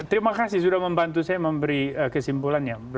terima kasih sudah membantu saya memberi kesimpulannya